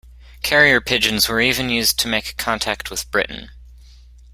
Carrier pigeons were even used to make contact with Britain.